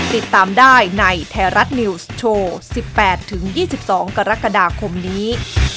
ติดตามได้ในไทยรัฐนิวส์โชว์๑๘๒๒กรกฎาคมนี้